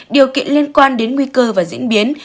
điều kiện liên quan đến nguy cơ và diễn biến